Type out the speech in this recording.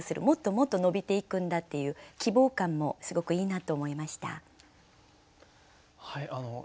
もっともっと伸びていくんだっていう希望感もすごくいいなと思いました。